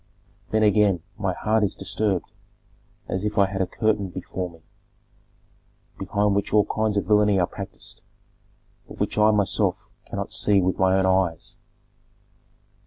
Then again my heart is disturbed, as if I had a curtain before me, behind which all kinds of villany are practised, but which I myself cannot see with my own eyes."